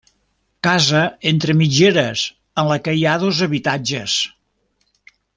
Casa entre mitgeres en la que hi ha dos habitatges.